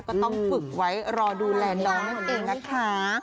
ก็ต้องฝึกไว้รอดูแลน้องนั่นเองนะคะ